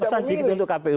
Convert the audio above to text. pesan singkat untuk kpu